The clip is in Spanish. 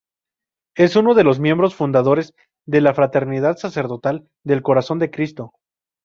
Es uno de los miembros fundadores de la Fraternidad Sacerdotal del Corazón de Cristo.